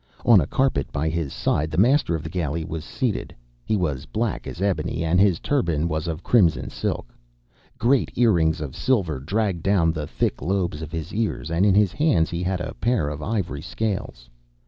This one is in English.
On a carpet by his side the master of the galley was seated. He was black as ebony, and his turban was of crimson silk. Great earrings of silver dragged down the thick lobes of his ears, and in his hands he had a pair of ivory scales.